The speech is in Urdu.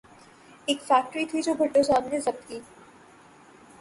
ایک فیکٹری تھی جو بھٹو صاحب نے ضبط کی۔